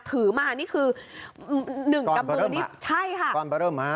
ถือมานี่คือ๑กระบวนใช่ค่ะก้อนเบอร์เริ่ม